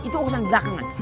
itu urusan belakangan